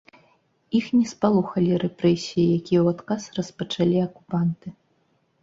Іх не спалохалі рэпрэсіі, якія ў адказ распачалі акупанты.